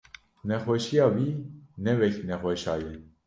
nexweşiya wî ne wek nexweşa ye.